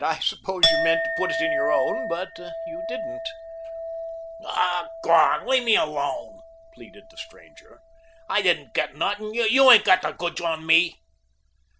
I suppose you meant to put it in your own, but you didn't." "Aw, g'wan; lemme go," pleaded the stranger. "I didn't get nuthin' you ain't got the goods on me."